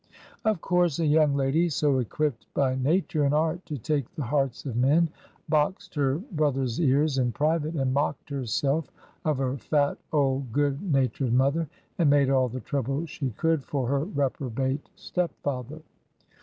Of course, a young lady so equipped by nature and art to take the hearts of men boxed her brother's ears in private, and mocked herself of her fat, old, good nat ured mother, and made all the trouble she could for her reprobate step father.